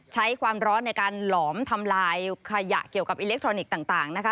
ใช้ความร้อนในการหลอมทำลายขยะเกี่ยวกับอิเล็กทรอนิกส์ต่างนะคะ